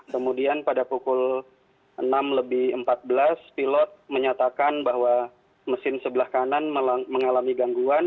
kemudian pada pukul enam lebih empat belas pilot menyatakan bahwa mesin sebelah kanan mengalami gangguan